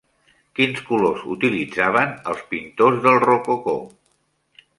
Quins colors utilitzaven els pintors del rococó?